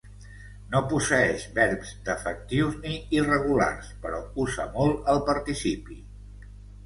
No posseeix verbs defectius ni irregulars, però usa molt el participi.